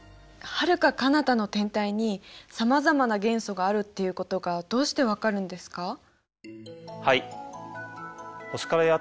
はるかかなたの天体にさまざまな元素があるっていうことがどうしてわかるんですか？